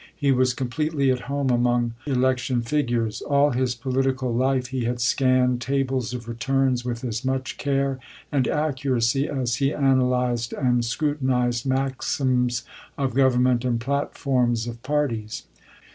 He was completely at home among election figures. All his political life he had scanned tables of returns with as much care and accuracy as he analyzed and scrutinized maxims of government and platforms of parties.